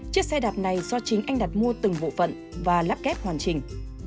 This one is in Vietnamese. chiếc xe đạp này do chính anh đặt mua từng bộ phận và lắp kép hoàn chỉnh